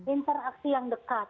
interaksi yang dekat